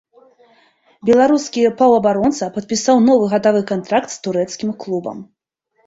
Беларускі паўабаронца падпісаў новы гадавы кантракт з турэцкім клубам.